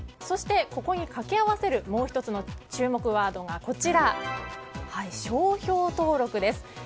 そして、ここに掛け合わせるもう１つの注目ワードが商標登録です。